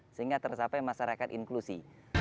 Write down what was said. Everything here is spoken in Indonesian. sehingga tersapai masyarakat inklusi